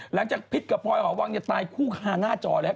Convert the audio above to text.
หลังจากพิษกับพลอยขอบวกนี่ตายคู่ค้าหน้าจอแหละ